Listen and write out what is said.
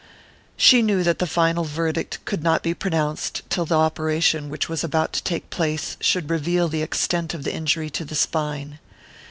She knew that the final verdict could not be pronounced till the operation which was about to take place should reveal the extent of injury to the spine.